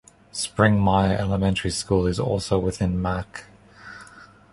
Springmyer Elementary School is also within Mack.